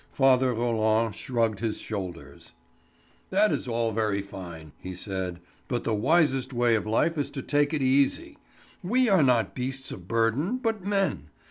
Father Roland shrugged his shoulders. "That is all very fine," he said. "But the wisest way of life is to take it easy. We are not beasts of burden, but men.